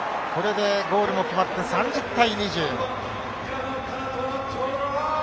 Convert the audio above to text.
これでゴールも決まって３０対２０。